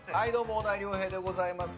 小田井涼平でございます。